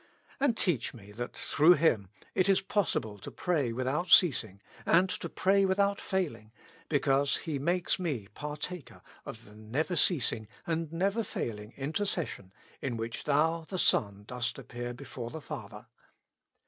And teach me that through Him it is possible to pray without ceasing, and to pray without failing, because He makes me partaker of the never ceasing and never failing intercession in which Thou, 206 With Christ in the School of Prayer. the Son, dost appear before the Father.